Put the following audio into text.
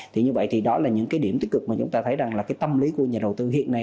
thì đó là những điểm tích cực mà chúng ta thấy là tâm lý của nhà đầu tư hiện nay